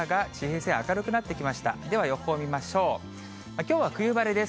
きょうは冬晴れです。